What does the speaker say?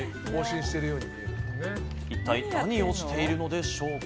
一体、何をしているのでしょうか。